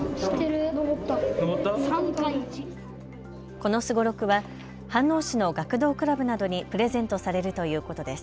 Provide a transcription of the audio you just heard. このすごろくは飯能市の学童クラブなどにプレゼントされるということです。